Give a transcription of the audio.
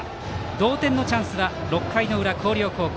同点のチャンスは６回の裏、広陵高校。